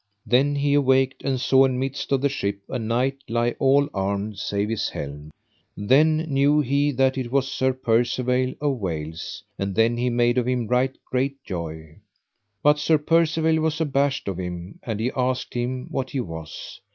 Then he awaked, and saw in midst of the ship a knight lie all armed save his helm. Then knew he that it was Sir Percivale of Wales, and then he made of him right great joy; but Sir Percivale was abashed of him, and he asked him what he was.